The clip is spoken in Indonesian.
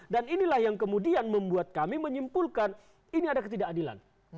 dan inilah yang kemudian membuat kami menyimpulkan ini ada ketidakadilan